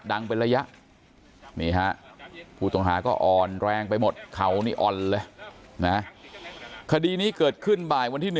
ดังเป็นระยะนี่ฮะผู้ต้องหาก็อ่อนแรงไปหมดเข่านี่อ่อนเลยนะคดีนี้เกิดขึ้นบ่ายวันที่๑